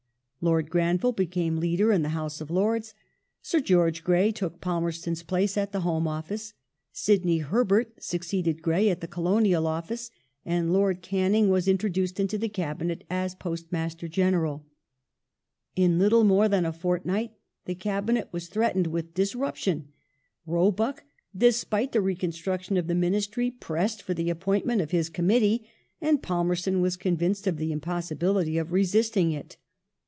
Lord Granville became leader in the House of Lords, Sir George Grey took Palmerston's place at the Home Office ; Sidney Herbert succeeded Grey at the Colonial Office, and Lord Canning was intro duced into the Cabinet as Postmaster General. In little more than a fortnight the Cabinet was threatened with disruption. Roebuck, despite the reconstruction of the Ministry, pressed for the appointment of his Committee and Palmei ston was convinced of the impossibility of resisting it.